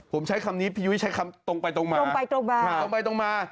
ผมใช้คำนี้พี่ยุ้ยใช้คำตรงไปตรงมา